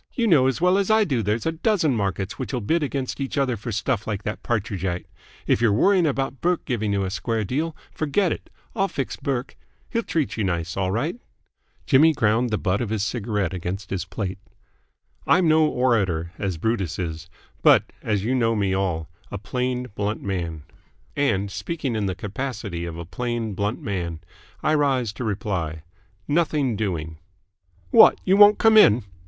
You know as well as I do that there's a dozen markets which'll bid against each other for stuff like that Partridgite. If you're worrying about Burke giving you a square deal, forget it. I'll fix Burke. He'll treat you nice, all right." Jimmy ground the butt of his cigarette against his plate. "I'm no orator, as Brutus is; but, as you know me all, a plain, blunt man. And, speaking in the capacity of a plain, blunt man, I rise to reply Nothing doing." "What? You won't come in?"